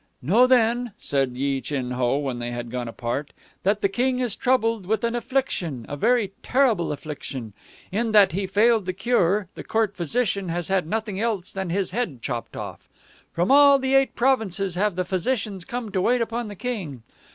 "Know then," said Yi Chin Ho, when they had gone apart, "that the King is troubled with an affliction, a very terrible affliction. In that he failed to cure, the Court physician has had nothing else than his head chopped off. From all the Eight Provinces have the physicians come to wait upon the King.